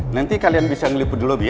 nanti kalian bisa ngeliput dulu lebih ya